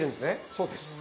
そうです。